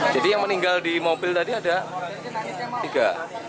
jadi yang meninggal di mobil tadi ada tiga